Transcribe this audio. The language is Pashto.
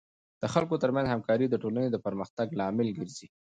د خلکو ترمنځ همکاري د ټولنې د پرمختګ لامل ګرځي.